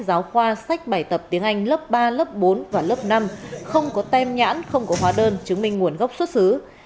giáo khoa sách bài tập tiếng anh lớp ba lớp bốn và lớp năm không có tem nhãn không có hóa đơn chứng minh nguồn gốc xuất xứ